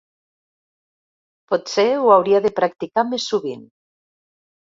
Potser ho hauria de practicar més sovint.